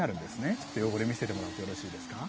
ちょっと汚れ見せてもらってよろしいですか。